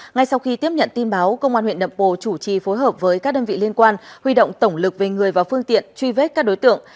ngay sau khi tiếp nhận tin báo công an huyện nậm bồ chủ trì phối hợp với các đơn vị liên quan huy động tổng lực về người và phương tiện truy vết các đối tượng